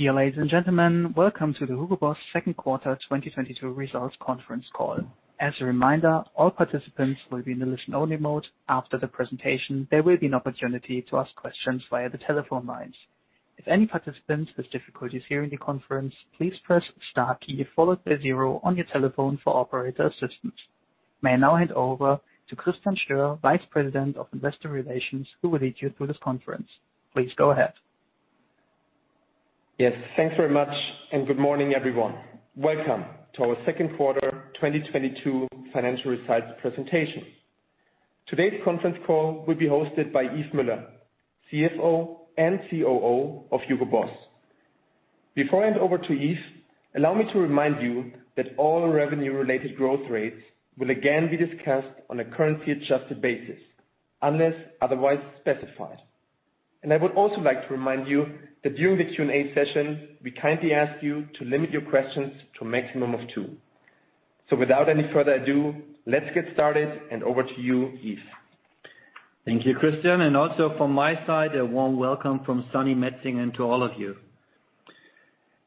Dear ladies and gentlemen, welcome to the HUGO BOSS Second Quarter 2022 Results Conference Call. As a reminder, all participants will be in listen-only mode. After the presentation, there will be an opportunity to ask questions via the telephone lines. If any participants have difficulties hearing the conference, please press star key followed by zero on your telephone for operator assistance. May I now hand over to Christian Stöhr, Vice President of Investor Relations, who will lead you through this conference. Please go ahead. Yes. Thanks very much, and good morning, everyone. Welcome to our second quarter 2022 financial results presentation. Today's conference call will be hosted by Yves Müller, CFO and COO of HUGO BOSS. Before I hand over to Yves, allow me to remind you that all revenue related growth rates will again be discussed on a currency adjusted basis, unless otherwise specified. I would also like to remind you that during the Q&A session, we kindly ask you to limit your questions to a maximum of two. Without any further ado, let's get started, and over to you, Yves. Thank you, Christian. Also from my side, a warm welcome from sunny Metzingen to all of you.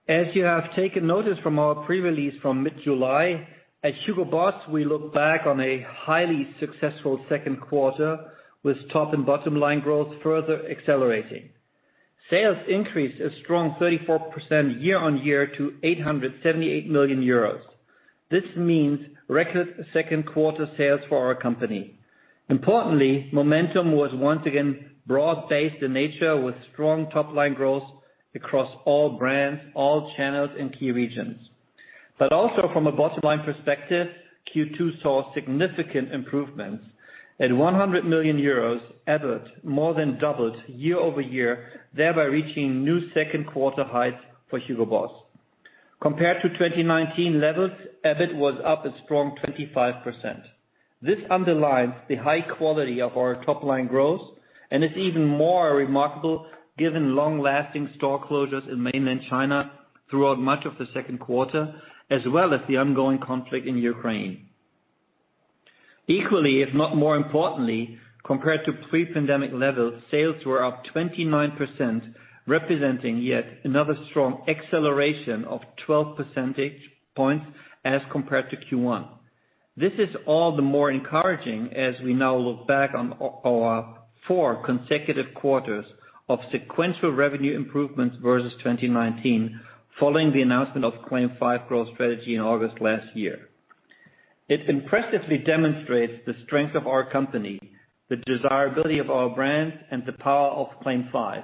As you have taken notice from our pre-release from mid-July, at HUGO BOSS, we look back on a highly successful second quarter with top and bottom-line growth further accelerating. Sales increased a strong 34% year-on-year to 878 million euros. This means record second quarter sales for our company. Importantly, momentum was once again broad-based in nature, with strong top line growth across all brands, all channels, and key regions. Also from a bottom-line perspective, Q2 saw significant improvements. At 100 million euros, EBIT more than doubled year-over-year, thereby reaching new second quarter heights for HUGO BOSS. Compared to 2019 levels, EBIT was up a strong 25%. This underlines the high quality of our top line growth and is even more remarkable given long-lasting store closures in mainland China throughout much of the second quarter, as well as the ongoing conflict in Ukraine. Equally, if not more importantly, compared to pre-pandemic levels, sales were up 29%, representing yet another strong acceleration of 12 percentage points as compared to Q1. This is all the more encouraging as we now look back on our four consecutive quarters of sequential revenue improvements versus 2019 following the announcement CLAIM 5 growth strategy in August last year. It impressively demonstrates the strength of our company, the desirability of our brand, and the power CLAIM 5.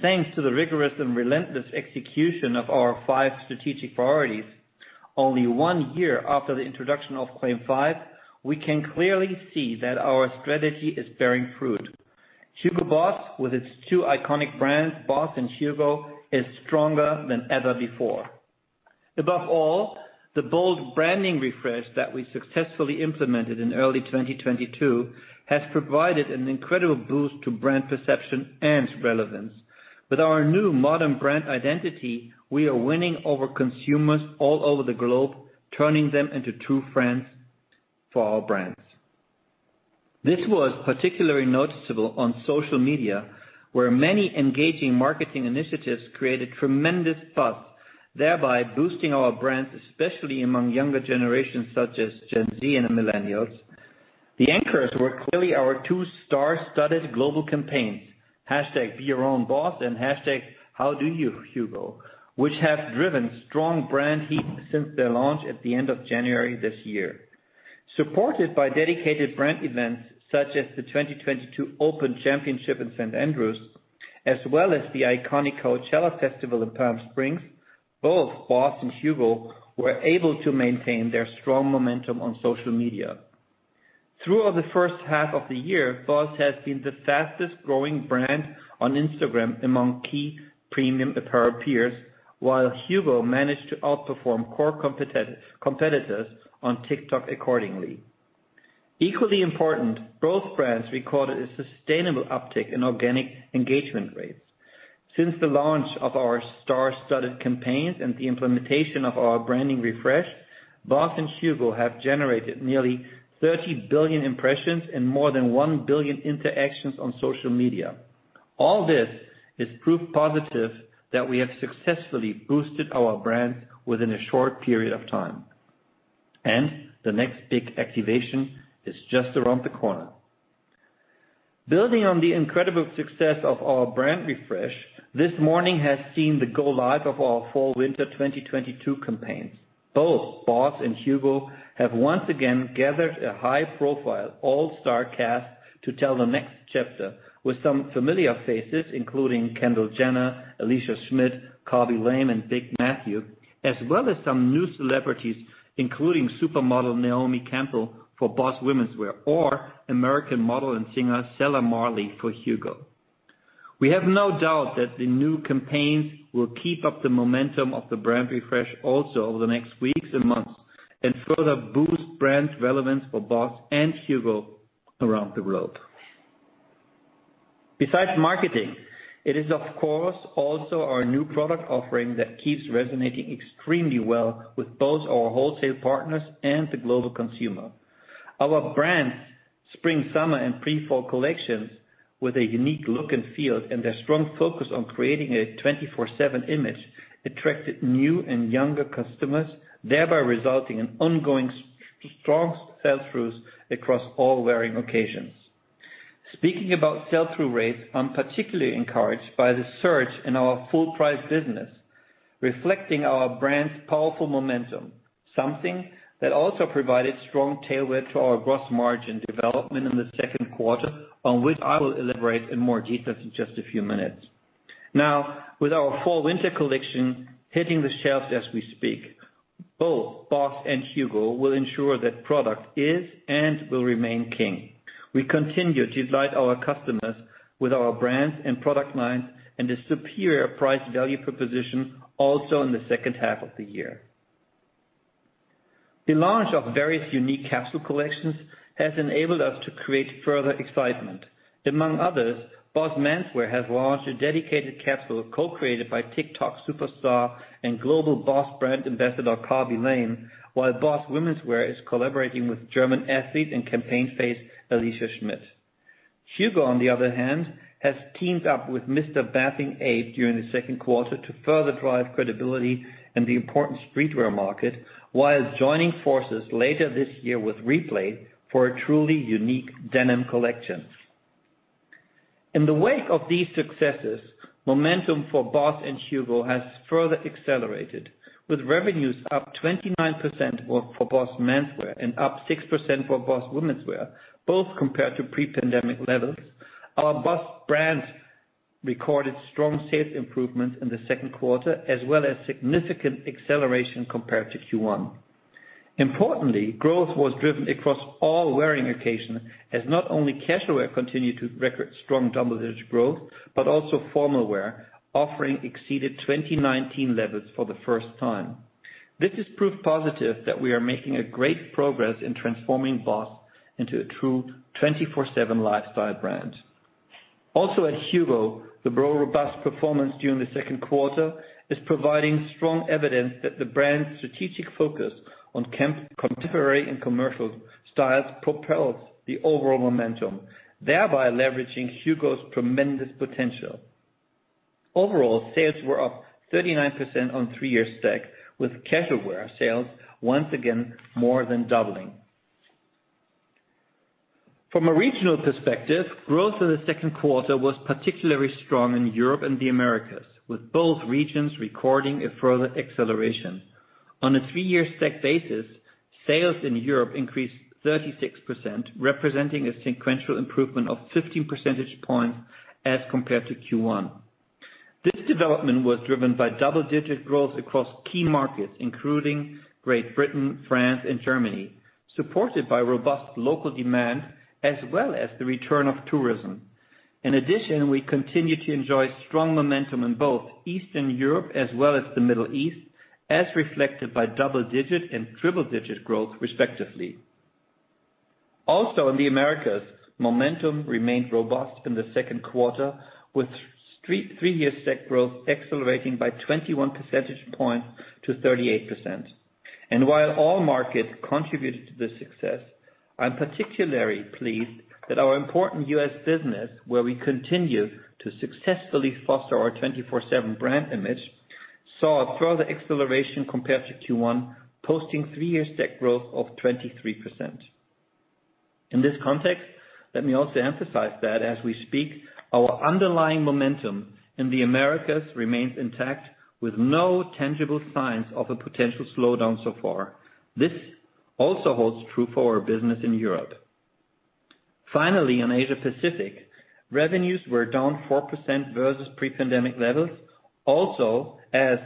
Thanks to the rigorous and relentless execution of our five strategic priorities, only one year after the introduction CLAIM 5, we can clearly see that our strategy is bearing fruit. HUGO BOSS, with its two iconic brands, BOSS and HUGO, is stronger than ever before. Above all, the bold branding refresh that we successfully implemented in early 2022 has provided an incredible boost to brand perception and relevance. With our new modern brand identity, we are winning over consumers all over the globe, turning them into true friends for our brands. This was particularly noticeable on social media, where many engaging marketing initiatives created tremendous buzz, thereby boosting our brands, especially among younger generations such as Gen Z and the Millennials. The anchors were clearly our two star-studded global campaigns, #BeYourOwnBOSS and #HowDoYouHUGO, which have driven strong brand heat since their launch at the end of January this year. Supported by dedicated brand events such as the 2022 Open Championship in St. Andrews, as well as the iconic Coachella festival in Palm Springs, both BOSS and HUGO were able to maintain their strong momentum on social media. Throughout the first half of the year, BOSS has been the fastest growing brand on Instagram among key premium apparel peers, while HUGO managed to outperform core competitors on TikTok accordingly. Equally important, both brands recorded a sustainable uptick in organic engagement rates. Since the launch of our star-studded campaigns and the implementation of our branding refresh, BOSS and HUGO have generated nearly 30 billion impressions and more than 1 billion interactions on social media. All this is proof positive that we have successfully boosted our brands within a short period of time. The next big activation is just around the corner. Building on the incredible success of our brand refresh, this morning has seen the go live of our Fall/Winter 2022 campaigns. Both BOSS and HUGO have once again gathered a high-profile all-star cast to tell the next chapter with some familiar faces, including Kendall Jenner, Alica Schmidt, Khaby Lame, and Big Matthew, as well as some new celebrities, including supermodel Naomi Campbell for BOSS Women's Wear or American model and singer, Selah Marley for HUGO. We have no doubt that the new campaigns will keep up the momentum of the brand refresh also over the next weeks and months, and further boost brand relevance for BOSS and HUGO around the globe. Besides marketing, it is of course also our new product offering that keeps resonating extremely well with both our wholesale partners and the global consumer. Our brands Spring, Summer and Pre-Fall collections with a unique look and feel and their strong focus on creating a 24/7 image attracted new and younger customers, thereby resulting in ongoing strong sell-throughs across all wearing occasions. Speaking about sell-through rates, I'm particularly encouraged by the surge in our full-price business, reflecting our brand's powerful momentum, something that also provided strong tailwind to our gross margin development in the second quarter, on which I will elaborate in more detail in just a few minutes. Now, with our Fall/Winter collection hitting the shelves as we speak, both BOSS and HUGO will ensure that product is and will remain king. We continue to delight our customers with our brands and product lines and a superior price value proposition also in the second half of the year. The launch of various unique capsule collections has enabled us to create further excitement. Among others, BOSS Menswear has launched a dedicated capsule co-created by TikTok superstar and global BOSS brand ambassador Khaby Lame, while BOSS Womenswear is collaborating with German athlete and campaign face Alica Schmidt. HUGO, on the other hand, has teamed up with Mr. Bathing Ape during the second quarter to further drive credibility in the important streetwear market, while joining forces later this year with Replay for a truly unique denim collection. In the wake of these successes, momentum for BOSS and HUGO has further accelerated, with revenues up 29% for BOSS Menswear and up 6% for BOSS Womenswear, both compared to pre-pandemic levels. Our BOSS brand recorded strong sales improvements in the second quarter, as well as significant acceleration compared to Q1. Importantly, growth was driven across all wearing occasions as not only casual wear continued to record strong double-digit growth, but also formal wear, offering exceeded 2019 levels for the first time. This is proof positive that we are making great progress in transforming BOSS into a true 24/7 lifestyle brand. Also at HUGO, the robust performance during the second quarter is providing strong evidence that the brand's strategic focus on contemporary and commercial styles propels the overall momentum, thereby leveraging HUGO's tremendous potential. Overall, sales were up 39% on three-year stack with casual wear sales once again more than doubling. From a regional perspective, growth in the second quarter was particularly strong in Europe and the Americas, with both regions recording a further acceleration. On a three-year stack basis, sales in Europe increased 36%, representing a sequential improvement of 15 percentage points as compared to Q1. This development was driven by double-digit growth across key markets, including Great Britain, France, and Germany, supported by robust local demand as well as the return of tourism. In addition, we continue to enjoy strong momentum in both Eastern Europe as well as the Middle East, as reflected by double-digit and triple-digit growth respectively. Also in the Americas, momentum remained robust in the second quarter with three-year stack growth accelerating by 21 percentage points to 38%. While all markets contributed to this success, I'm particularly pleased that our important U.S. business, where we continue to successfully foster our 24/7 brand image, saw a further acceleration compared to Q1, posting three-year stack growth of 23%. In this context, let me also emphasize that as we speak, our underlying momentum in the Americas remains intact with no tangible signs of a potential slowdown so far. This also holds true for our business in Europe. Finally, in Asia Pacific, revenues were down 4% versus pre-pandemic levels also as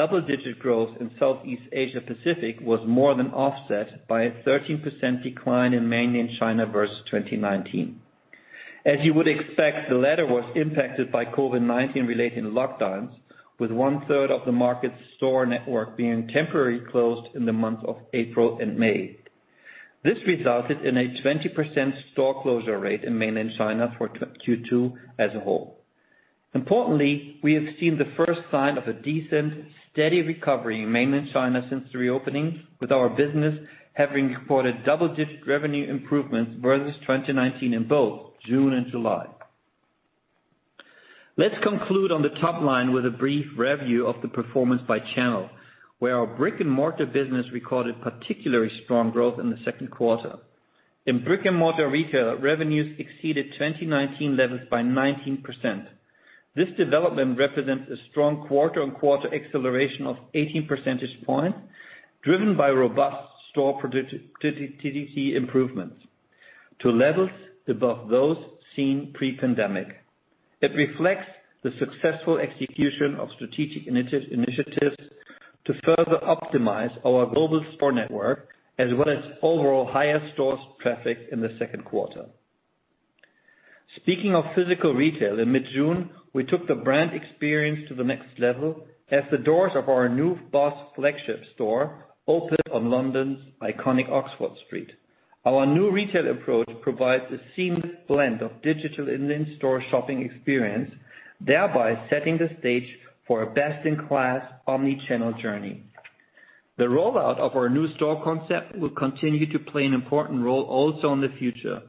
double-digit growth in Southeast Asia Pacific was more than offset by a 13% decline in mainland China versus 2019. As you would expect, the latter was impacted by COVID-19 related lockdowns, with one-third of the market store network being temporarily closed in the months of April and May. This resulted in a 20% store closure rate in mainland China for Q2 as a whole. Importantly, we have seen the first sign of a decent, steady recovery in mainland China since reopening, with our business having reported double-digit revenue improvements versus 2019 in both June and July. Let's conclude on the top line with a brief review of the performance by channel, where our brick-and-mortar business recorded particularly strong growth in the second quarter. In brick-and-mortar retail, revenues exceeded 2019 levels by 19%. This development represents a strong quarter-on-quarter acceleration of 18 percentage points, driven by robust store productivity improvements to levels above those seen pre-pandemic. It reflects the successful execution of strategic initiatives to further optimize our global store network, as well as overall higher stores traffic in the second quarter. Speaking of physical retail, in mid-June, we took the brand experience to the next level as the doors of our new BOSS flagship store opened on London's iconic Oxford Street. Our new retail approach provides a seamless blend of digital and in-store shopping experience, thereby setting the stage for a best-in-class omnichannel journey. The rollout of our new store concept will continue to play an important role also in the future.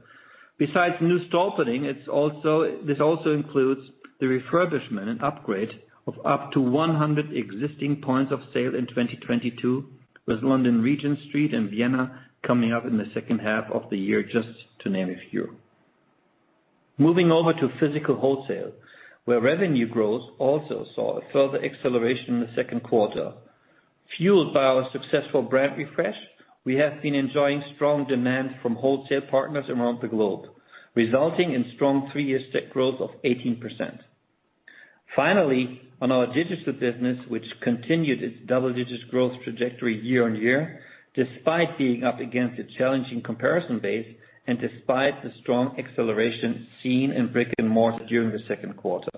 Besides new store opening, this also includes the refurbishment and upgrade of up to 100 existing points of sale in 2022, with London Regent Street and Vienna coming up in the second half of the year, just to name a few. Moving over to physical wholesale, where revenue growth also saw a further acceleration in the second quarter. Fueled by our successful brand refresh, we have been enjoying strong demand from wholesale partners around the globe, resulting in strong three-year stacked growth of 18%. Finally, on our digital business, which continued its double-digit growth trajectory year-on-year, despite being up against a challenging comparison base and despite the strong acceleration seen in brick-and-mortar during the second quarter.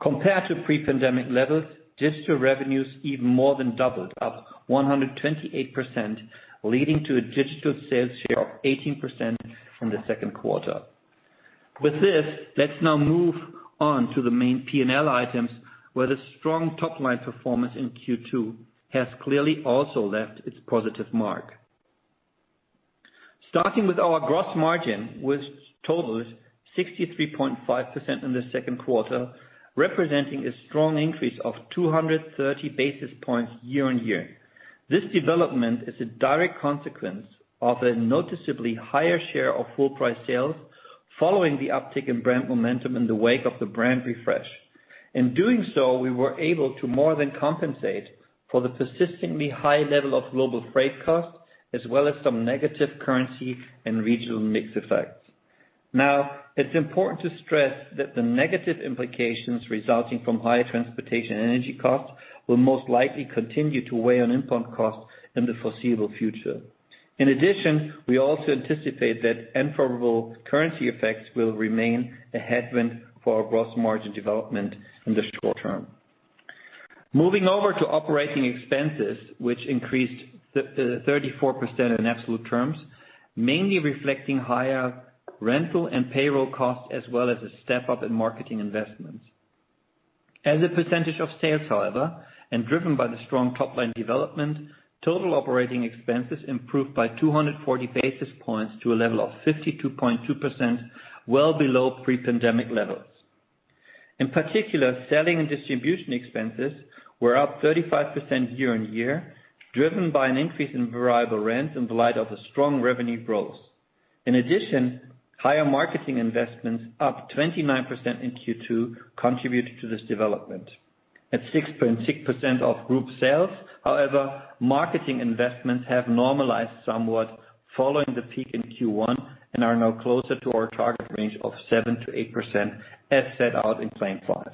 Compared to pre-pandemic levels, digital revenues even more than doubled, up 128%, leading to a digital sales share of 18% in the second quarter. With this, let's now move on to the main P&L items where the strong top-line performance in Q2 has clearly also left its positive mark. Starting with our gross margin, which totals 63.5% in the second quarter, representing a strong increase of 230 basis points year-on-year. This development is a direct consequence of a noticeably higher share of full price sales following the uptick in brand momentum in the wake of the brand refresh. In doing so, we were able to more than compensate for the persistently high level of global freight costs, as well as some negative currency and regional mix effects. Now, it's important to stress that the negative implications resulting from higher transportation energy costs will most likely continue to weigh on input costs in the foreseeable future. In addition, we also anticipate that unfavorable currency effects will remain a headwind for our gross margin development in the short term. Moving over to operating expenses, which increased 34% in absolute terms, mainly reflecting higher rental and payroll costs as well as a step-up in marketing investments. As a percentage of sales, however, and driven by the strong top-line development, total operating expenses improved by 240 basis points to a level of 52.2%, well below pre-pandemic levels. In particular, selling and distribution expenses were up 35% year-over-year, driven by an increase in variable rent in the light of a strong revenue growth. In addition, higher marketing investments up 29% in Q2 contributed to this development. At 6.6% of group sales, however, marketing investments have normalized somewhat following the peak in Q1 and are now closer to our target range of 7%-8% as set out in CLAIM 5.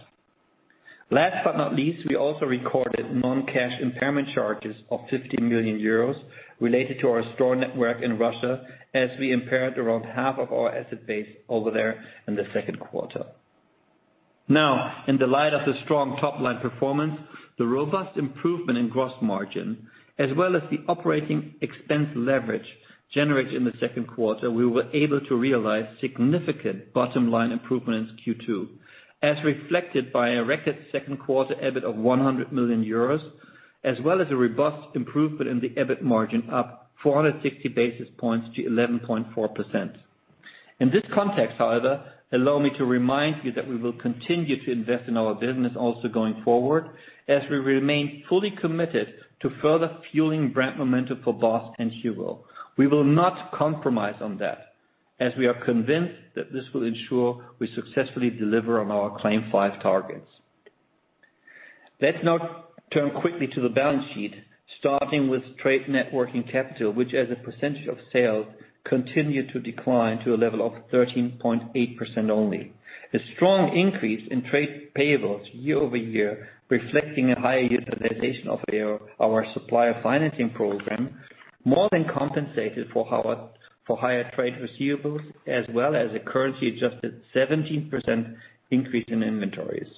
Last but not least, we also recorded non-cash impairment charges of 50 million euros related to our store network in Russia as we impaired around half of our asset base over there in the second quarter. Now, in the light of the strong top-line performance, the robust improvement in gross margin, as well as the operating expense leverage generated in the second quarter, we were able to realize significant bottom-line improvements in Q2, as reflected by a record second quarter EBIT of 100 million euros, as well as a robust improvement in the EBIT margin up 460 basis points to 11.4%. In this context, however, allow me to remind you that we will continue to invest in our business also going forward, as we remain fully committed to further fueling brand momentum for BOSS and HUGO. We will not compromise on that, as we are convinced that this will ensure we successfully deliver on our CLAIM 5 targets. Let's now turn quickly to the balance sheet, starting with trade net working capital, which as a percentage of sales, continued to decline to a level of 13.8% only. A strong increase in trade payables year-over-year, reflecting a higher utilization of our supplier financing program, more than compensated for our for higher trade receivables, as well as a currency-adjusted 17% increase in inventories.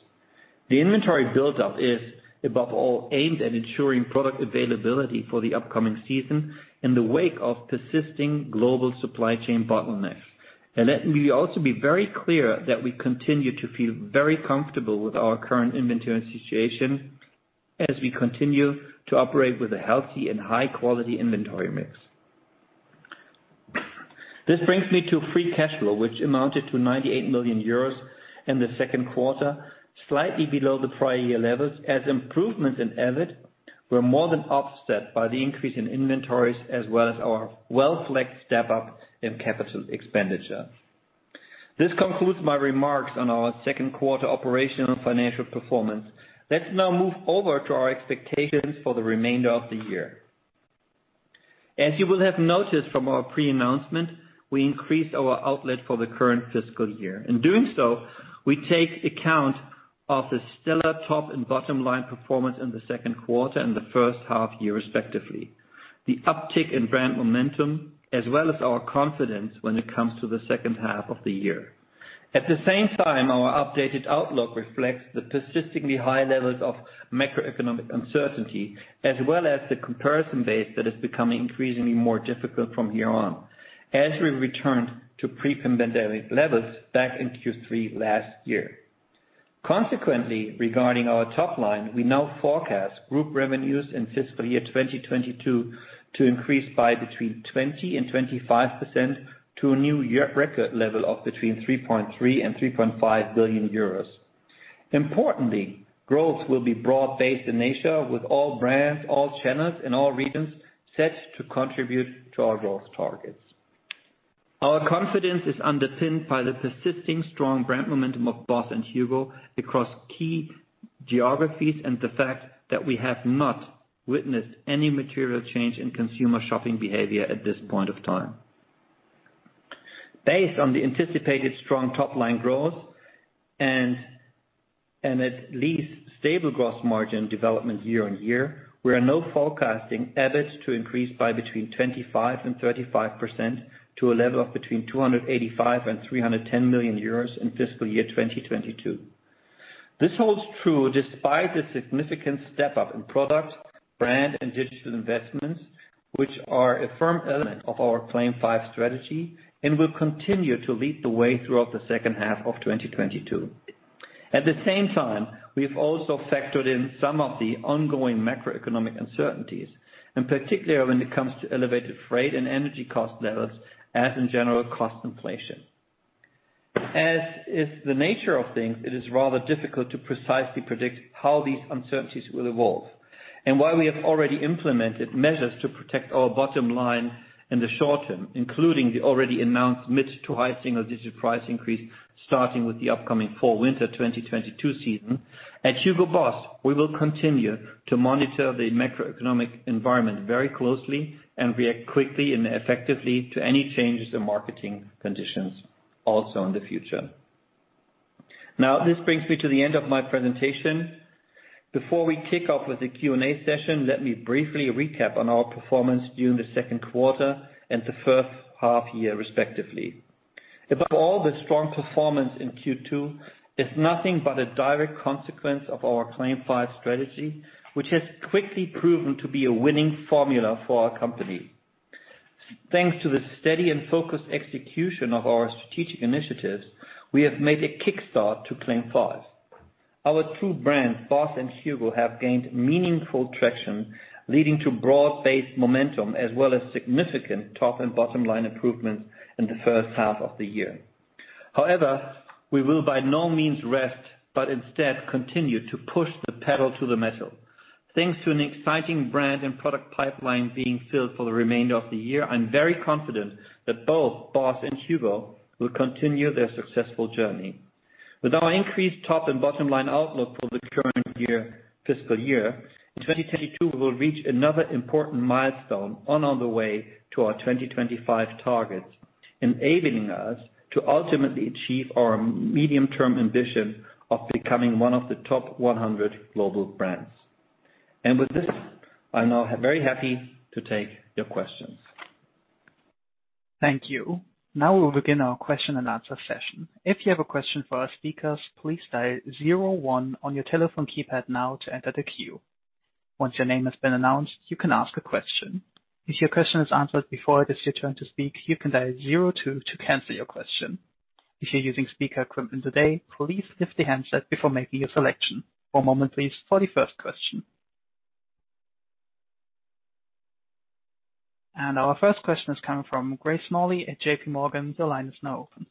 The inventory buildup is above all aimed at ensuring product availability for the upcoming season in the wake of persisting global supply chain bottlenecks. Let me also be very clear that we continue to feel very comfortable with our current inventory situation as we continue to operate with a healthy and high-quality inventory mix. This brings me to free cash flow, which amounted to 98 million euros in the second quarter, slightly below the prior year levels, as improvements in EBIT were more than offset by the increase in inventories as well as our well-selected step-up in capital expenditure. This concludes my remarks on our second quarter operational financial performance. Let's now move over to our expectations for the remainder of the year. As you will have noticed from our pre-announcement, we increased our outlook for the current fiscal year. In doing so, we take account of the stellar top and bottom-line performance in the second quarter and the first half year respectively, the uptick in brand momentum, as well as our confidence when it comes to the second half of the year. At the same time, our updated outlook reflects the persistently high levels of macroeconomic uncertainty, as well as the comparison base that is becoming increasingly more difficult from here on as we returned to pre-pandemic levels back in Q3 last year. Consequently, regarding our top line, we now forecast group revenues in fiscal year 2022 to increase by between 20% and 25% to a new year record level of between 3.3 billion and 3.5 billion euros. Importantly, growth will be broad-based in nature with all brands, all channels in all regions set to contribute to our growth targets. Our confidence is underpinned by the persisting strong brand momentum of BOSS and HUGO across key geographies and the fact that we have not witnessed any material change in consumer shopping behavior at this point of time. Based on the anticipated strong top-line growth and at least stable gross margin development year on year, we are now forecasting EBIT to increase by between 25% and 35% to a level of between 285 million and 310 million euros in fiscal year 2022. This holds true despite the significant step up in product, brand, and digital investments, which are a firm element of our CLAIM 5 strategy and will continue to lead the way throughout the second half of 2022. At the same time, we've also factored in some of the ongoing macroeconomic uncertainties and particularly when it comes to elevated freight and energy cost levels as in general cost inflation. As is the nature of things, it is rather difficult to precisely predict how these uncertainties will evolve. While we have already implemented measures to protect our bottom line in the short term, including the already announced mid- to high-single-digit price increase starting with the upcoming Fall/Winter 2022 season. At HUGO BOSS, we will continue to monitor the macroeconomic environment very closely and react quickly and effectively to any changes in market conditions also in the future. Now this brings me to the end of my presentation. Before we kick off with the Q&A session, let me briefly recap on our performance during the second quarter and the first half year respectively. Above all, the strong performance in Q2 is nothing but a direct consequence of our CLAIM 5 strategy, which has quickly proven to be a winning formula for our company. Thanks to the steady and focused execution of our strategic initiatives, we have made a kick start to CLAIM 5. Our true brands, BOSS and HUGO, have gained meaningful traction leading to broad-based momentum as well as significant top and bottom-line improvements in the first half of the year. However, we will by no means rest but instead continue to push the pedal to the metal. Thanks to an exciting brand and product pipeline being filled for the remainder of the year, I'm very confident that both BOSS and HUGO will continue their successful journey. With our increased top and bottom-line outlook for the current year, fiscal year, in 2022 we will reach another important milestone on the way to our 2025 targets enabling us to ultimately achieve our medium-term ambition of becoming one of the top 100 global brands. With this, I'm now very happy to take your questions. Thank you. Now we will begin our question-and-answer session. If you have a question for our speakers, please dial zero one on your telephone keypad now to enter the queue. Once your name has been announced, you can ask a question. If your question is answered before it is your turn to speak, you can dial zero two to cancel your question. If you're using speaker equipment today, please lift the handset before making your selection. One moment please for the first question. Our first question is coming from Grace Smalley at Morgan Stanley. The line is now open.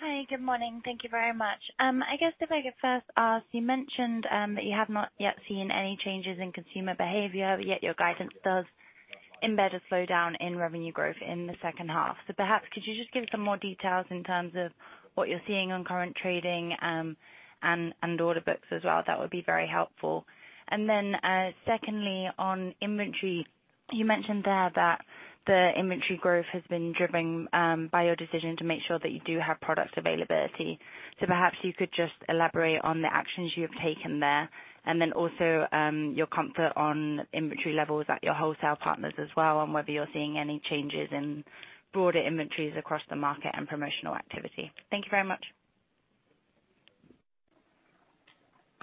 Hi. Good morning. Thank you very much. I guess if I could first ask, you mentioned that you have not yet seen any changes in consumer behavior, yet your guidance does embed a slowdown in revenue growth in the second half. Perhaps could you just give some more details in terms of what you're seeing on current trading, and order books as well? That would be very helpful. Then, secondly, on inventory, you mentioned there that the inventory growth has been driven by your decision to make sure that you do have product availability. Perhaps you could just elaborate on the actions you have taken there and then also your comfort on inventory levels at your wholesale partners as well and whether you're seeing any changes in broader inventories across the market and promotional activity. Thank you very much.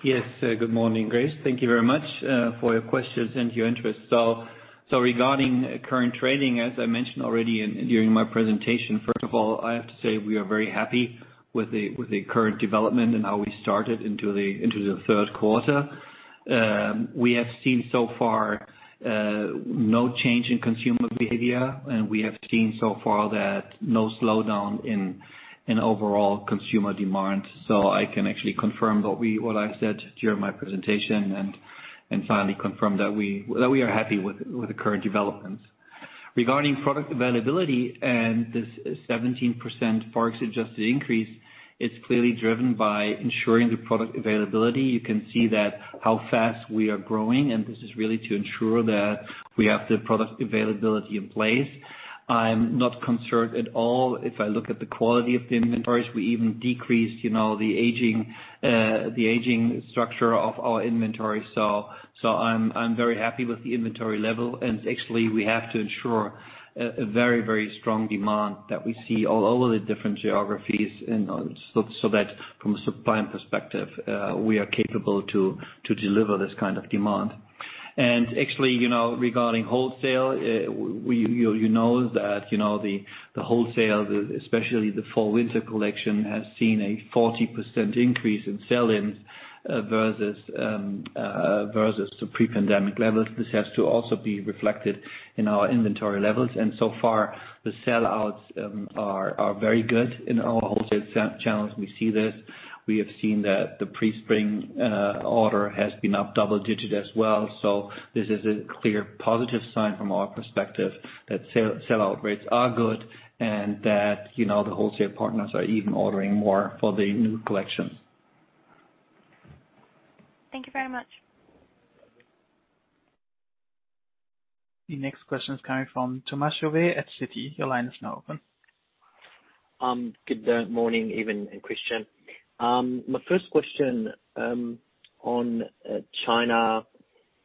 Yes. Good morning, Grace. Thank you very much for your questions and your interest. Regarding current trading, as I mentioned already during my presentation, first of all, I have to say we are very happy with the current development and how we started into the third quarter. We have seen so far, no change in consumer behavior, and we have seen so far that no slowdown in overall consumer demand. I can actually confirm what I said during my presentation and finally confirm that we are happy with the current developments. Regarding product availability and this 17% Forex adjusted increase, it's clearly driven by ensuring the product availability. You can see that how fast we are growing, and this is really to ensure that we have the product availability in place. I'm not concerned at all if I look at the quality of the inventories. We even decreased, you know, the aging structure of our inventory. I'm very happy with the inventory level and actually we have to ensure a very strong demand that we see all over the different geographies and so that from a supply perspective we are capable to deliver this kind of demand. Actually, you know, regarding wholesale, you know that the wholesale, especially the fall winter collection, has seen a 40% increase in sell-ins versus the pre-pandemic levels. This has to also be reflected in our inventory levels. So far, the sellouts are very good in our wholesale sales channels. We see this. We have seen that the pre-spring order has been up double-digit as well. This is a clear positive sign from our perspective that sellout rates are good and that, you know, the wholesale partners are even ordering more for the new collection. Thank you very much. The next question is coming from Thomas Chauvet at Citi. Your line is now open. Good morning, everyone, and Christian. My first question on China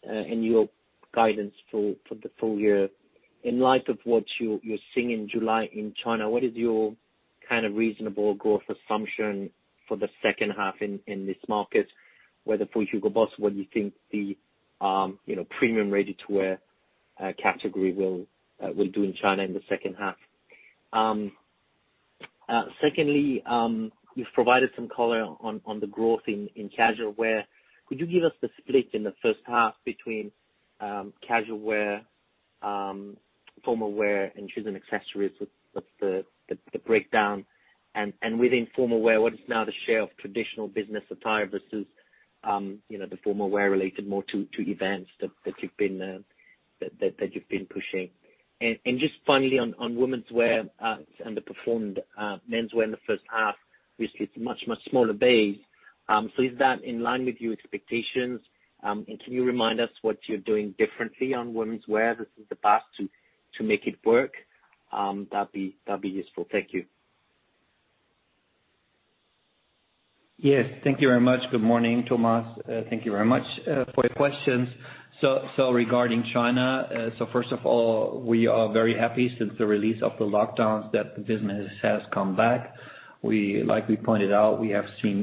and your guidance for the full year. In light of what you're seeing in July in China, what is your kind of reasonable growth assumption for the second half in this market? Whether for HUGO BOSS, what do you think the, you know, premium ready-to-wear category will do in China in the second half? Secondly, you've provided some color on the growth in casual wear. Could you give us the split in the first half between casual wear, formal wear, and shoes and accessories with the breakdown? Within formal wear, what is now the share of traditional business attire versus the formal wear related more to events that you've been pushing? Just finally on women's wear, its underperformed men's wear in the first half. Obviously, it's a much smaller base. Is that in line with your expectations? Can you remind us what you're doing differently on women's wear versus the past to make it work? That'd be useful. Thank you. Yes. Thank you very much. Good morning, Thomas. Thank you very much for the questions. Regarding China, first of all, we are very happy since the release of the lockdowns that the business has come back. Like we pointed out, we have seen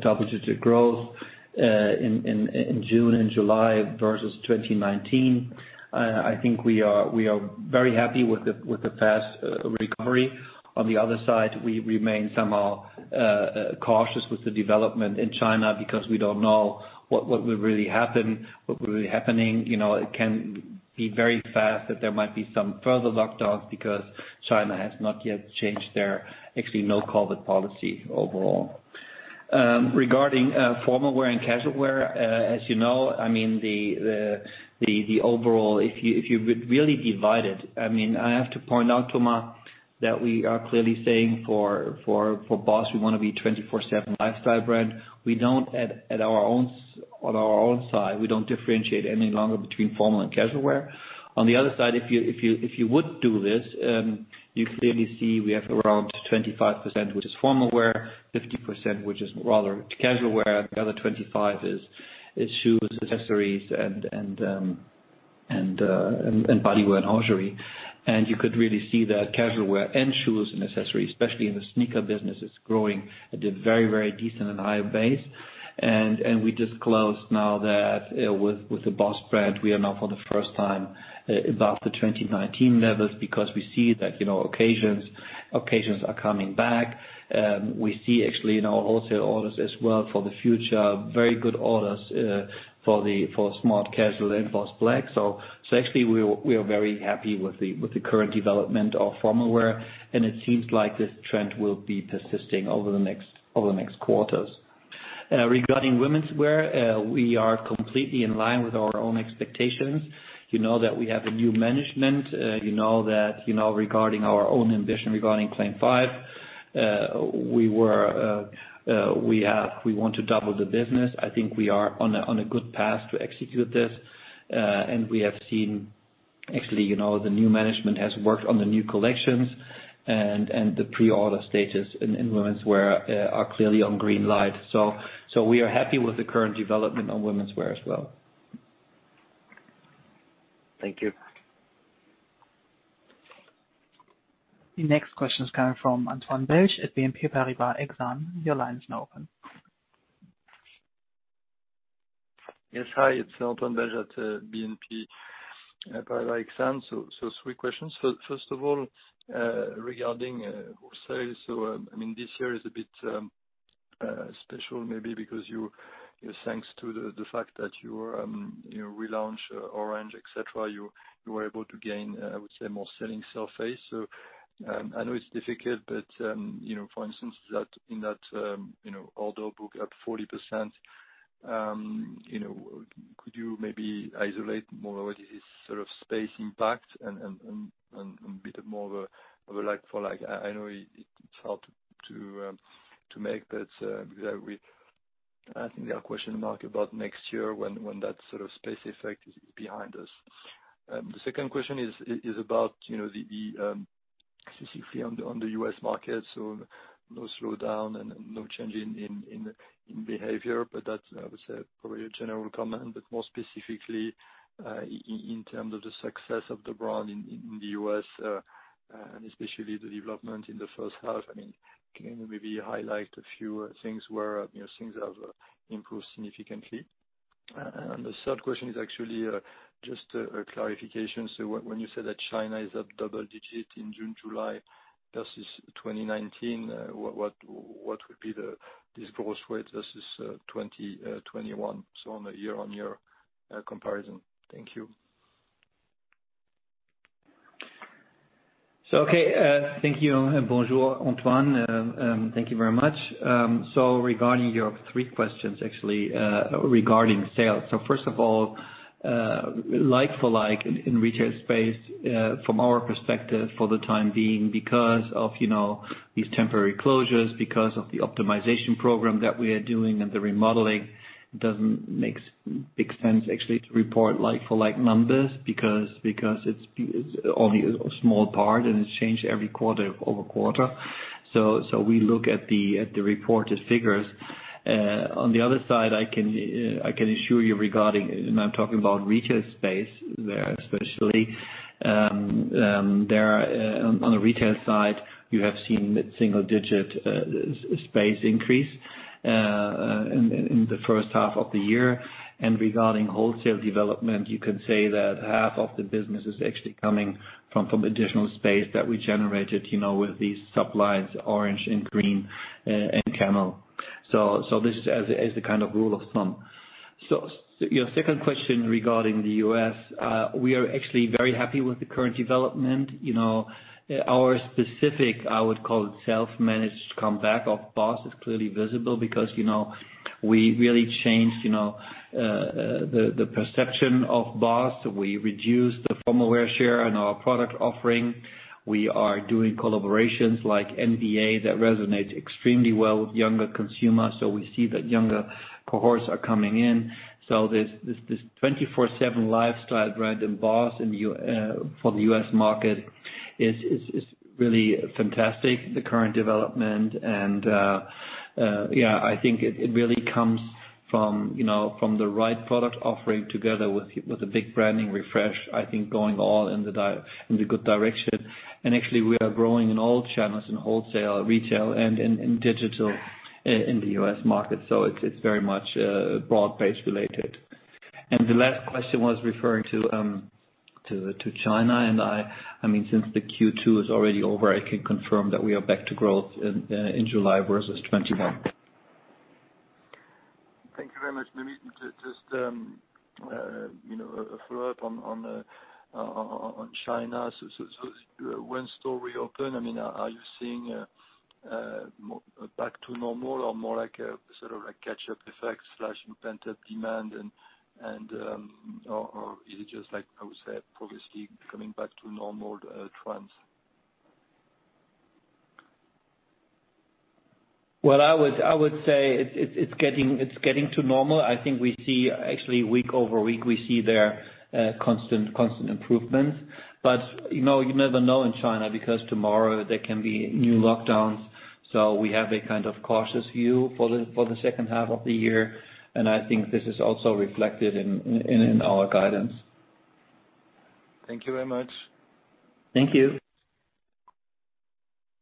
double-digit growth in June and July versus 2019. I think we are very happy with the fast recovery. On the other side, we remain somehow cautious with the development in China because we don't know what will really happen, what will be happening. You know, it can be very fast that there might be some further lockdowns because China has not yet changed their zero COVID policy overall. Regarding formal wear and casual wear, as you know, I mean, the overall, if you really divide it, I mean, I have to point out, Thomas, that we are clearly saying for BOSS, we wanna be 24/7 lifestyle brand. We don't on our own side, we don't differentiate any longer between formal and casual wear. On the other side, if you would do this, you clearly see we have around 25% which is formal wear, 50% which is rather casual wear. The other 25% is shoes, accessories and body wear and hosiery. You could really see that casual wear and shoes and accessories, especially in the sneaker business, is growing at a very decent and higher base. We just closed now that with the BOSS brand, we are now for the first time above the 2019 levels because we see that, you know, occasions are coming back. We see actually in our wholesale orders as well for the future very good orders for smart casual and BOSS Black. Actually, we are very happy with the current development of formal wear, and it seems like this trend will be persisting over the next quarters. Regarding women's wear, we are completely in line with our own expectations. You know that we have a new management. You know that, you know, regarding our own ambition regarding CLAIM 5, we want to double the business. I think we are on a good path to execute this. We have seen actually, you know, the new management has worked on the new collections and the pre-order status in women's wear are clearly on green light. We are happy with the current development on women's wear as well. Thank you. The next question is coming from Antoine Belge at BNP Paribas Exane. Your line is now open. Yes. Hi, it's Antoine Belge at BNP Paribas Exane. Three questions. First of all, regarding sales. I mean, this year is a bit special maybe because you know, thanks to the fact that you know, relaunch BOSS Orange, et cetera, you were able to gain, I would say, more selling space. I know it's difficult, but you know, for instance, that in that order book up 40%, you know, could you maybe isolate more what is sort of space impact and a bit more of a like for like? I know it's hard to make, but because I think there are question marks about next year when that sort of base effect is behind us. The second question is about, you know, the CC fee on the U.S. market. So, no slowdown and no change in behavior, but that's, I would say, probably a general comment, but more specifically, in terms of the success of the brand in the U.S. and especially the development in the first half. I mean, can you maybe highlight a few things where, you know, things have improved significantly? And the third question is actually just a clarification. When you say that China is up double digits in June, July versus 2019, what would be this growth rate versus 2021, so on a year-on-year comparison? Thank you. Thank you and bonjour, Antoine. Thank you very much. Regarding your three questions actually, regarding sales. First of all, like-for-like in retail space, from our perspective for the time being, because of, you know, these temporary closures, because of the optimization program that we are doing and the remodeling doesn't make big sense actually to report like-for-like numbers because it's only a small part, and it's changed every quarter-over-quarter. We look at the reported figures. On the other side, I can assure you regarding, and I'm talking about retail space there especially, there, on the retail side, you have seen single-digit space increase in the first half of the year. Regarding wholesale development, you can say that half of the business is actually coming from additional space that we generated, you know, with BOSS Orange and BOSS Green, and BOSS Camel. This is as a kind of rule of thumb. Your second question regarding the U.S., we are actually very happy with the current development. You know, our specific, I would call it, self-managed comeback of BOSS is clearly visible because, you know, we really changed, you know, the perception of BOSS. We reduced the formal wear share on our product offering. We are doing collaborations like NBA that resonates extremely well with younger consumers. We see that younger cohorts are coming in. This 24/7 lifestyle, right, in BOSS in the U.S. market is really fantastic, the current development. Yeah, I think it really comes from, you know, from the right product offering together with a big branding refresh, I think going all in the good direction. Actually, we are growing in all channels, in wholesale, retail and in digital in the U.S. market. It's very much broad-based related. The last question was referring to China. I mean, since the Q2 is already over, I can confirm that we are back to growth in July versus 2021. Thank you very much, Yves. Just, you know, a follow-up on China. When stores reopen, I mean, are you seeing back to normal or more like a sort of a catch-up effect slash pent-up demand and or is it just like, I would say, progressively coming back to normal trends? Well, I would say it's getting to normal. I think we see actually week over week, we see there constant improvements. You know, you never know in China because tomorrow there can be new lockdowns. We have a kind of cautious view for the second half of the year. I think this is also reflected in our guidance. Thank you very much. Thank you.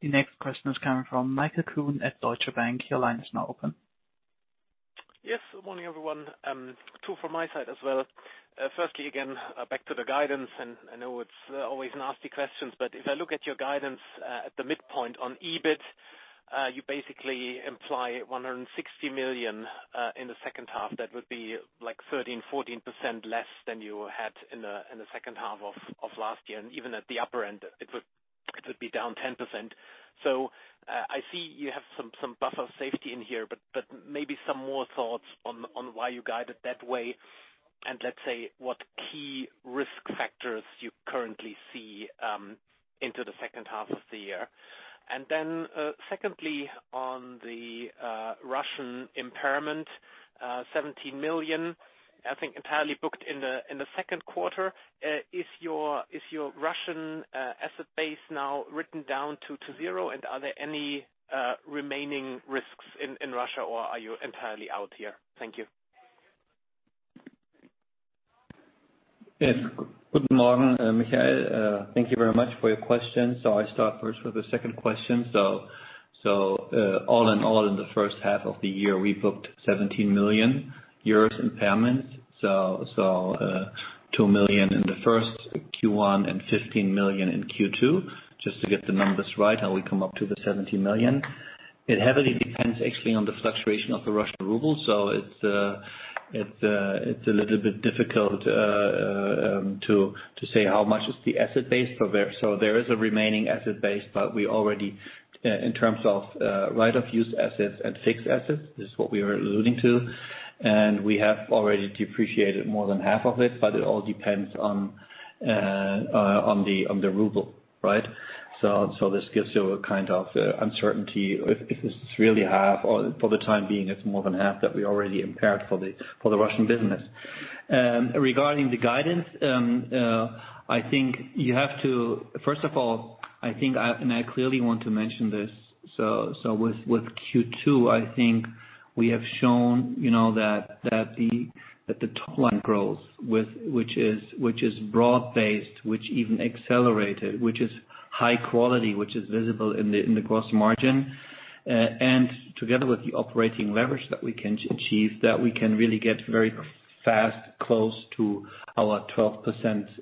The next question is coming from Michael Kuhn at Deutsche Bank. Your line is now open. Yes. Good morning, everyone. Two from my side as well. Firstly, again, back to the guidance, and I know it's always nasty questions, but if I look at your guidance, at the midpoint on EBIT, you basically imply 160 million in the second half. That would be like 13%-14% less than you had in the second half of last year. Even at the upper end, it would be down 10%. I see you have some buffer of safety in here, but maybe some more thoughts on why you guided that way and let's say, what key risk factors you currently see into the second half of the year. Secondly, on the Russian impairment, 17 million, I think entirely booked in the second quarter. Is your Russian asset base now written down to zero? Are there any remaining risks in Russia, or are you entirely out here? Thank you. Yes. Good morning, Michael. Thank you very much for your question. I'll start first with the second question. All in all, in the first half of the year, we booked 17 million euros impairment. Two million in the first Q1 and 15 million in Q2, just to get the numbers right, how we come up to the 17 million. It heavily depends actually on the fluctuation of the Russian ruble. It's a little bit difficult to say how much is the asset base. There is a remaining asset base, but we already in terms of right-of-use assets and fixed assets is what we are alluding to. We have already depreciated more than half of it, but it all depends on the ruble, right? This gives you a kind of uncertainty if it's really half or for the time being, it's more than half that we already impaired for the Russian business. Regarding the guidance, first of all, I clearly want to mention this, with Q2, I think we have shown, you know, that the top line growth which is broad-based, which even accelerated, which is high quality, which is visible in the gross margin. Together with the operating leverage that we can achieve, we can really get very fast close to our 12%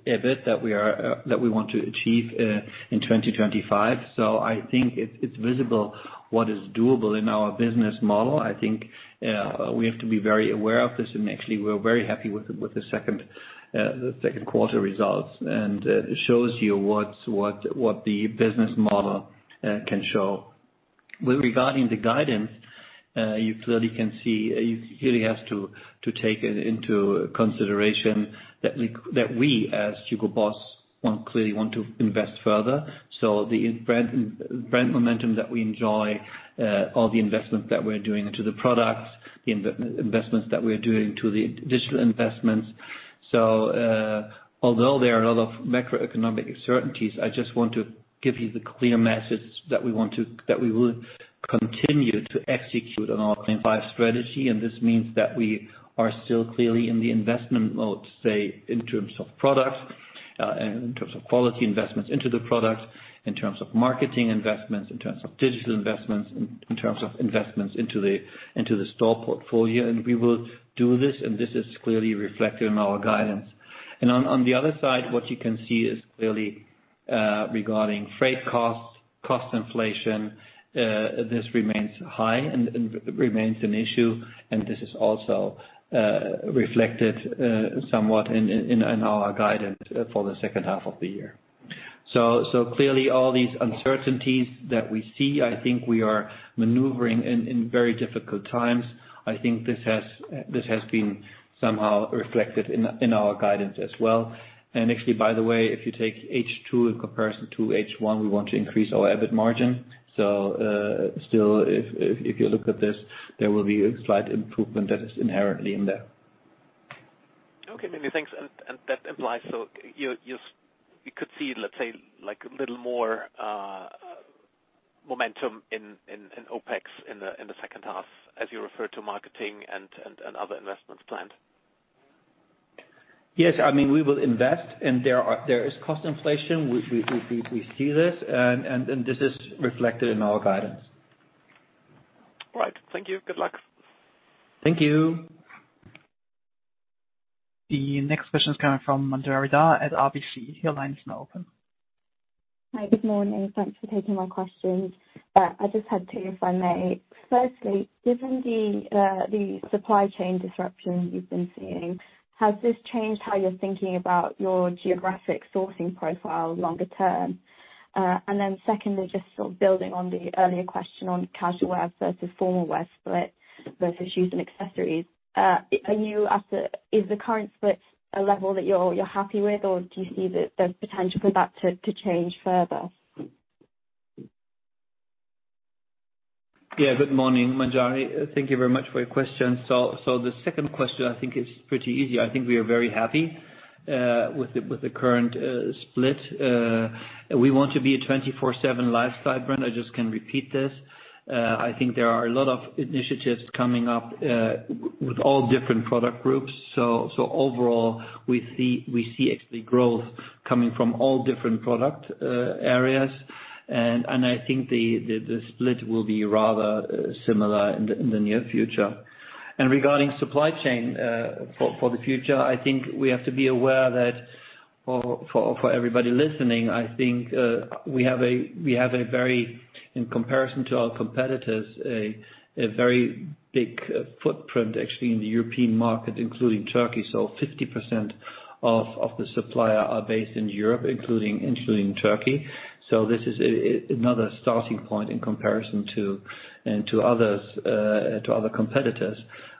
EBIT that we want to achieve in 2025. I think it's visible what is doable in our business model. I think we have to be very aware of this, and actually we're very happy with the second quarter results. It shows you what the business model can show. With regard to the guidance, you clearly can see, you really have to take it into consideration that we as HUGO BOSS want to invest further. The brand momentum that we enjoy, all the investments that we're doing into the products, the investments that we're doing into the digital investments. Although there are a lot of macroeconomic uncertainties, I just want to give you the clear message that we will continue to execute on our CLAIM 5 strategy, and this means that we are still clearly in the investment mode, say, in terms of products, in terms of quality investments into the products. In terms of marketing investments, in terms of digital investments, in terms of investments into the store portfolio. We will do this, and this is clearly reflected in our guidance. On the other side, what you can see is clearly regarding freight costs, cost inflation, this remains high and remains an issue, and this is also reflected somewhat in our guidance for the second half of the year. Clearly all these uncertainties that we see, I think we are maneuvering in very difficult times. I think this has been somehow reflected in our guidance as well. Actually, by the way, if you take H2 in comparison to H1, we want to increase our EBIT margin. Still, if you look at this, there will be a slight improvement that is inherently in there. Okay, many thanks. That implies, so you could see, let's say, like a little more momentum in OpEx in the second half as you refer to marketing and other investments planned. Yes. I mean, we will invest and there is cost inflation, which we see this and this is reflected in our guidance. All right. Thank you. Good luck. Thank you. The next question is coming from Manjari Dhar at RBC Capital Markets. Your line is now open. Hi. Good morning. Thanks for taking my questions. I just had two, if I may. Firstly, given the supply chain disruptions you've been seeing, has this changed how you're thinking about your geographic sourcing profile longer term? Secondly, just sort of building on the earlier question on casual wear versus formal wear split versus shoes and accessories. Is the current split a level that you're happy with, or do you see the potential for that to change further? Yeah. Good morning, Manjari. Thank you very much for your question. So, the second question I think is pretty easy. I think we are very happy with the current split. We want to be a 24/7 lifestyle brand. I just can repeat this. I think there are a lot of initiatives coming up with all different product groups. So overall we see actually growth coming from all different product areas. I think the split will be rather similar in the near future. Regarding supply chain for the future, I think we have to be aware that for everybody listening, I think we have a very, in comparison to our competitors, a very big footprint actually in the European market, including Turkey. 50% of the suppliers are based in Europe, including Turkey. This is another starting point in comparison to other competitors.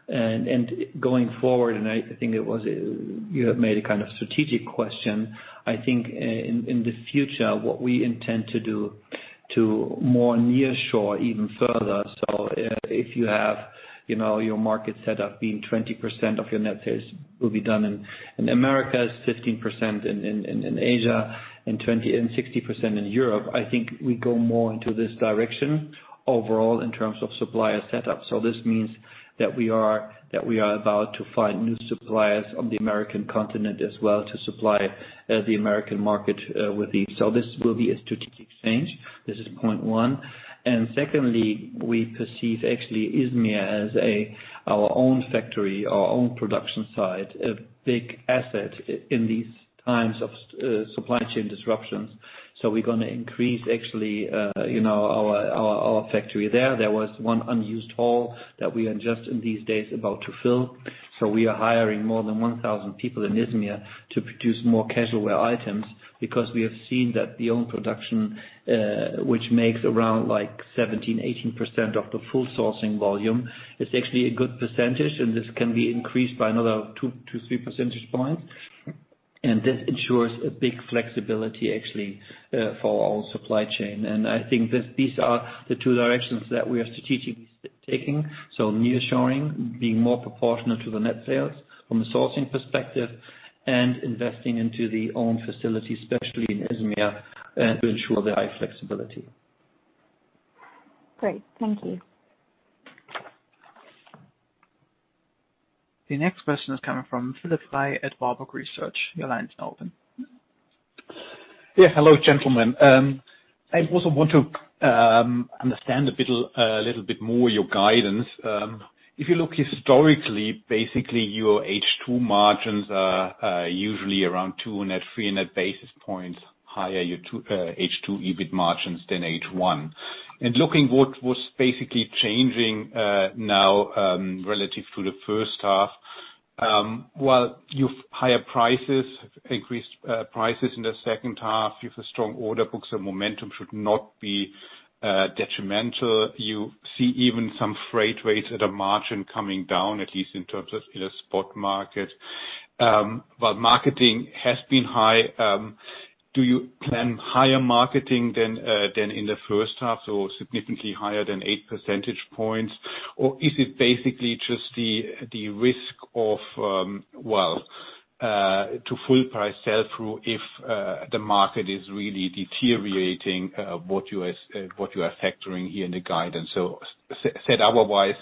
Going forward, I think you have made a kind of strategic question. I think in the future, what we intend to do is to nearshore even further. If you have, you know, your market setup being 20% of your net sales will be done in the Americas, 15% in Asia, and 20% and 60% in Europe, I think we go more into this direction overall in terms of supplier setup. This means that we are about to find new suppliers on the American continent as well to supply the American market with the... This will be a strategic change. This is point one. Secondly, we perceive actually Izmir as a our own factory, our own production site, a big asset in these times of supply chain disruptions. We're gonna increase actually our factory there. There was one unused hall that we are just in these days about to fill. We are hiring more than 1,000 people in Izmir to produce more casual wear items because we have seen that the own production, which makes around like 17%, 18% of the full sourcing volume, is actually a good percentage. This can be increased by another 2-3 percentage points. This ensures a big flexibility actually for our supply chain. I think these are the two directions that we are strategically taking. Nearshoring, being more proportional to the net sales from a sourcing perspective and investing into the own facility, especially in Izmir, to ensure the high flexibility. Great. Thank you. The next question is coming from Jörg Philipp Frey at Warburg Research. Your line is now open. Yeah. Hello, gentlemen. I also want to understand a bit, a little bit more your guidance. If you look historically, basically, your H2 margins are usually around 2-3 net basis points higher your H2 EBIT margins than H1. Looking what was basically changing now, relative to the first half, while you have higher prices, increased prices in the second half, you have a strong order books and momentum should not be detrimental. You see even some freight rates at a margin coming down, at least in terms of the spot market. While marketing has been high, do you plan higher marketing than in the first half or significantly higher than 8 percentage points? Is it basically just the risk of to full price sell-through if the market is really deteriorating what you are factoring here in the guidance? Said otherwise,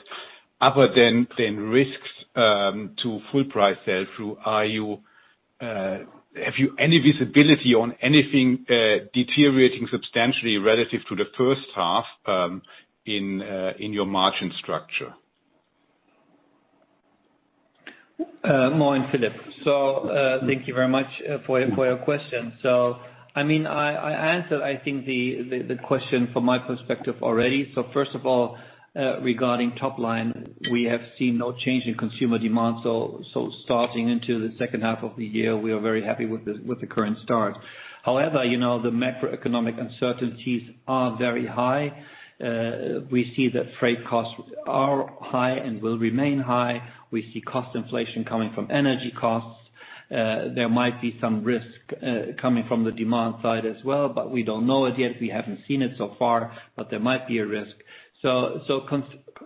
other than risks to full price sell-through, have you any visibility on anything deteriorating substantially relative to the first half in your margin structure? Morning, Philipp. Thank you very much for your question. I mean, I answered, I think the question from my perspective already. First of all, regarding top line, we have seen no change in consumer demand. Starting into the second half of the year, we are very happy with the current start. However, you know, the macroeconomic uncertainties are very high. We see that freight costs are high and will remain high. We see cost inflation coming from energy costs. There might be some risk coming from the demand side as well, but we don't know as yet. We haven't seen it so far, but there might be a risk.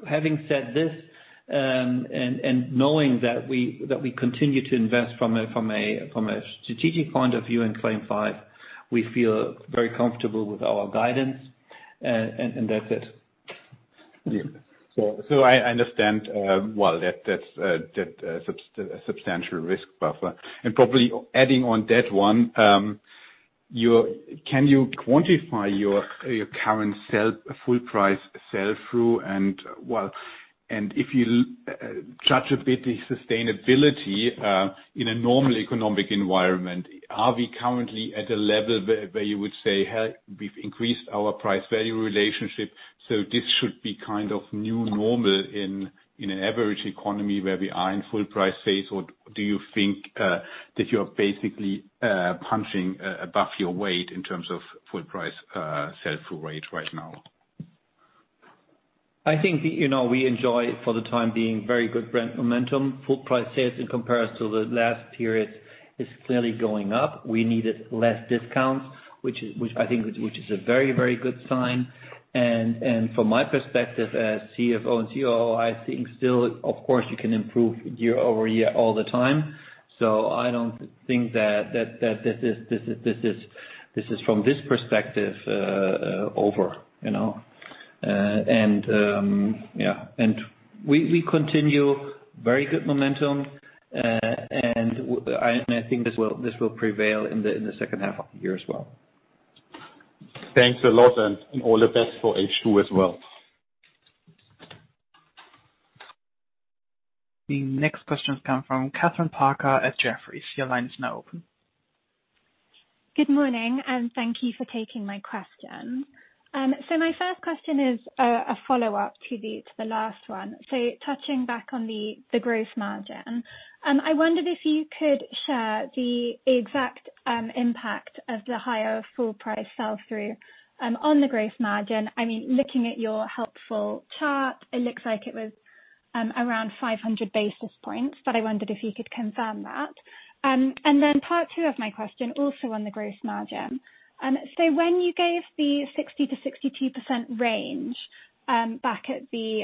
Having said this and knowing that we continue to invest from a strategic point of view in CLAIM 5, we feel very comfortable with our guidance. That's it. I understand that's a substantial risk buffer. Probably adding on that one, can you quantify your current full price sell-through? If you judge a bit the sustainability in a normal economic environment, are we currently at a level where you would say, "Hey, we've increased our price value relationship, so this should be kind of new normal in an average economy where we are in full price phase?" Or do you think that you're basically punching above your weight in terms of full price sell-through rate right now? I think, you know, we enjoy for the time being very good brand momentum. Full price sales in comparison to the last period is clearly going up. We needed less discounts, which I think is a very, very good sign. From my perspective as CFO and COO, I think still, of course, you can improve year-over-year all the time. I don't think that this is from this perspective, over, you know. We continue very good momentum. I think this will prevail in the second half of the year as well. Thanks a lot, and all the best for H2 as well. The next question comes from Kathryn Parker at Jefferies. Your line is now open. Good morning, and thank you for taking my question. My first question is a follow-up to the last one. Touching back on the gross margin, I wondered if you could share the exact impact of the higher full price sell-through on the gross margin. I mean, looking at your helpful chart, it looks like it was around 500 basis points, but I wondered if you could confirm that. Then part two of my question, also on the gross margin. When you gave the 60%-62% range back at the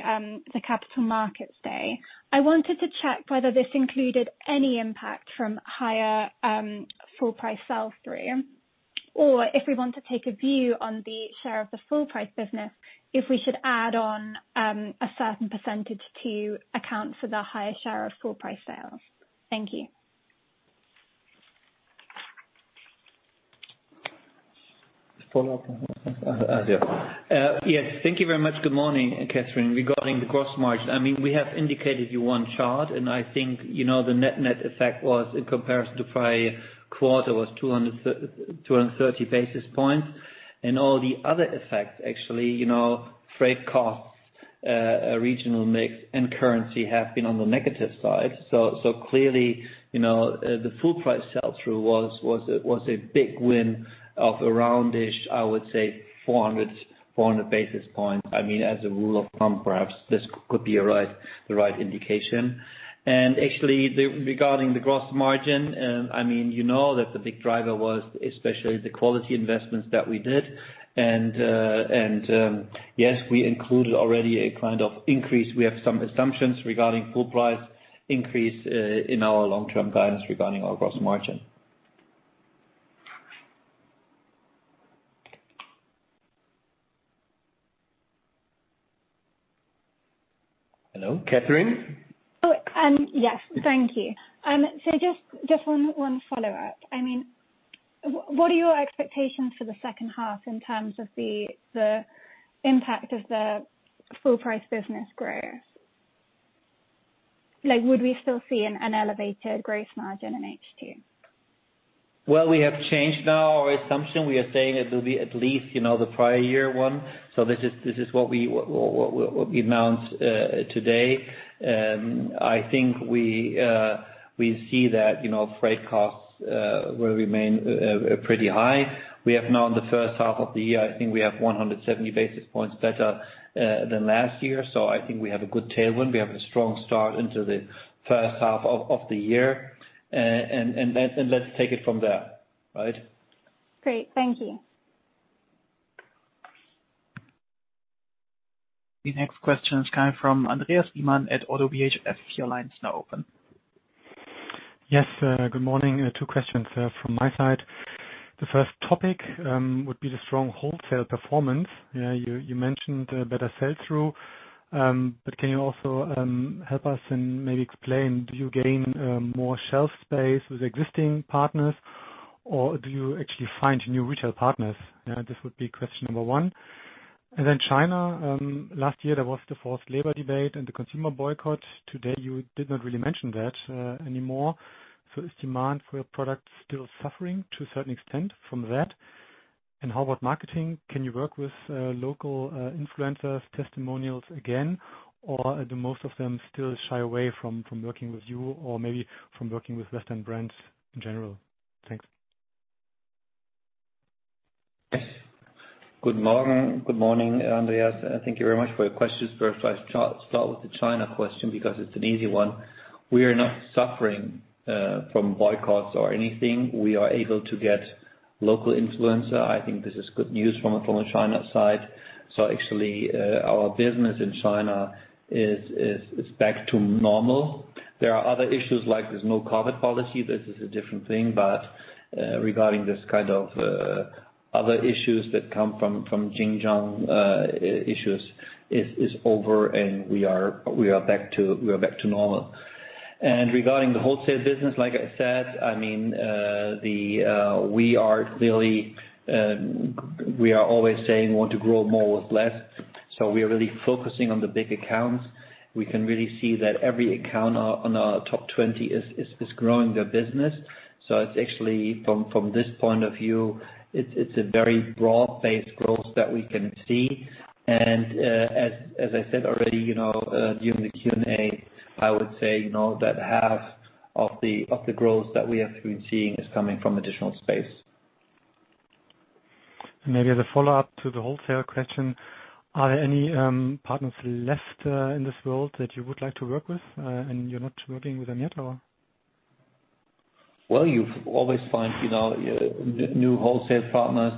Capital Markets Day, I wanted to check whether this included any impact from higher full price sell-through. If we want to take a view on the share of the full price business, if we should add on a certain percentage to account for the higher share of full price sales. Thank you. Follow-up? Yeah. Yes. Thank you very much. Good morning, Kathryn. Regarding the gross margin, I mean, we have indicated you one chart, and I think, you know, the net-net effect was in comparison to prior quarter 230 basis points. All the other effects, actually, you know, freight costs, regional mix and currency have been on the negative side. Clearly, you know, the full price sell-through was a big win of around-ish, I would say 400 basis points. I mean, as a rule of thumb, perhaps this could be a right, the right indication. Regarding the gross margin, I mean, you know that the big driver was especially the quality investments that we did. Yes, we included already a kind of increase. We have some assumptions regarding full price increase, in our long-term guidance regarding our gross margin. Hello, Kathryn? Yes. Thank you. Just one follow-up. I mean, what are your expectations for the second half in terms of the impact of the full price business growth? Like, would we still see an elevated growth margin in H2? Well, we have changed now our assumption. We are saying it will be at least, you know, the prior year one. This is what we announced today. I think we see that, you know, freight costs will remain pretty high. We have now in the first half of the year, I think we have 170 basis points better than last year. I think we have a good tailwind. We have a strong start into the first half of the year. Let's take it from there, right? Great. Thank you. The next question is coming from Andreas Riemann at ODDO BHF. Your line is now open. Yes, good morning. Two questions from my side. The first topic would be the strong wholesale performance. You mentioned better sell-through, but can you also help us and maybe explain, do you gain more shelf space with existing partners or do you actually find new retail partners? This would be question number one. Then China, last year there was the forced labor debate and the consumer boycott. Today, you did not really mention that anymore. Is demand for your product still suffering to a certain extent from that? How about marketing? Can you work with local influencers, testimonials again? Or do most of them still shy away from working with you or maybe from working with Western brands in general? Thanks. Good morning. Good morning, Andreas. Thank you very much for your questions. First, I start with the China question because it's an easy one. We are not suffering from boycotts or anything. We are able to get local influencer. I think this is good news from a China side. Actually, our business in China is back to normal. There are other issues like there's zero-COVID policy. This is a different thing, but regarding this kind of other issues that come from Xinjiang issues is over and we are back to normal. Regarding the wholesale business, like I said, I mean, we are really we are always saying want to grow more with less. We are really focusing on the big accounts. We can really see that every account on our top 20 is growing their business. It's actually from this point of view, it's a very broad-based growth that we can see. As I said already, you know, during the Q&A, I would say, you know, that half of the growth that we have been seeing is coming from additional space. Maybe as a follow-up to the wholesale question, are any partners left in this world that you would like to work with and you're not working with them yet or? Well, you always find, you know, new wholesale partners.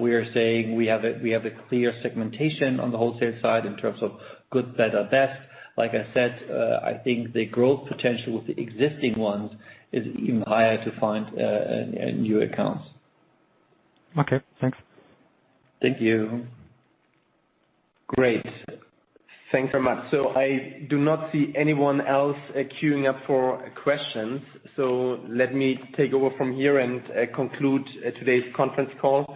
We are saying we have a clear segmentation on the wholesale side in terms of good, better, best. Like I said, I think the growth potential with the existing ones is even higher to find new accounts. Okay, thanks. Thank you. Great. Thanks very much. I do not see anyone else queuing up for questions. Let me take over from here and conclude today's conference call.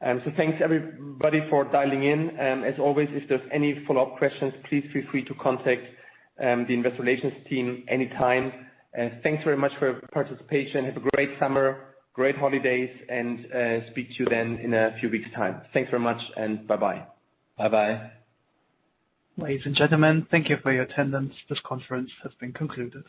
Thanks everybody for dialing in. As always, if there's any follow-up questions, please feel free to contact the investor relations team anytime. Thanks very much for your participation. Have a great summer, great holidays, and speak to you then in a few weeks' time. Thanks very much and bye-bye. Bye-bye. Ladies and gentlemen, thank you for your attendance. This conference has been concluded.